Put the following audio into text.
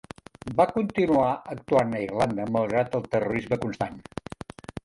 Va continuar actuant a Irlanda, malgrat el terrorisme constant.